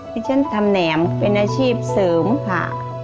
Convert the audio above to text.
ที่ฉันทำแหนมเป็นอาชีพเสริมค่ะ